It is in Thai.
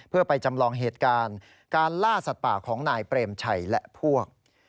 เพื่อไปจำลองเหตุการณ์การล่าสัตว์ป่าของนายเปรมชัยและพวก